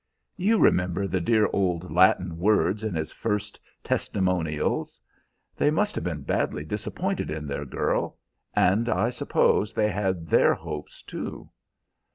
You remember the dear old Latin words in his first 'testimonials'?" "They must have been badly disappointed in their girl, and I suppose they had their 'hopes,' too."